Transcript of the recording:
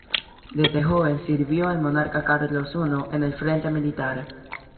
Desde joven sirvió al monarca Carlos I en el frente militar.